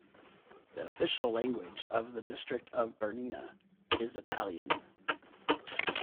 The official language of the district of Bernina is Italian.